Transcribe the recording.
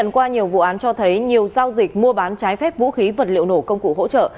qua nhiều vụ án cho thấy nhiều giao dịch mua bán trái phép vũ khí vật liệu nổ công cụ hỗ trợ